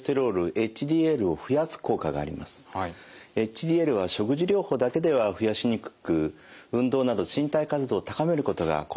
ＨＤＬは食事療法だけでは増やしにくく運動など身体活動を高めることが効果的です。